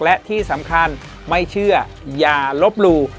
และที่สำคัญไม่เชื่ออย่าลบหลู่